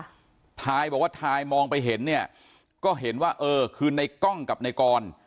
ทายบอกว่าทายมองไปเห็นเนี่ยก็เห็นว่าเออคือในกล้องกับในกร